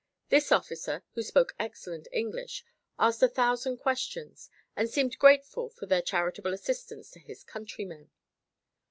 This officer, who spoke excellent English, asked a thousand questions and seemed grateful for their charitable assistance to his countrymen.